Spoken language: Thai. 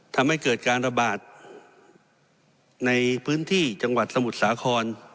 ทำให้เกิดการระบาดในพื้นที่จังหวัดสมุทรสาคร